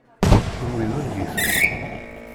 Kenwi d ungifen!